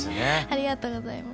ありがとうございます。